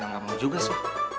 gak mau juga so